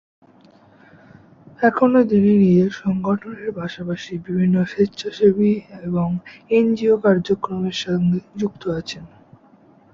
এখনো তিনি নিজের সংগঠনের পাশাপাশি বিভিন্ন স্বেচ্ছাসেবী এবং এনজিও কার্যক্রমের সঙ্গে যুক্ত আছেন।